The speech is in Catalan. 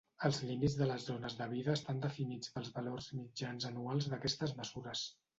Els límits de les zones de vida estan definits pels valors mitjans anuals d’aquestes mesures.